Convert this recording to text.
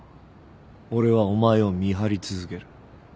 俺はお前を見張り続ける。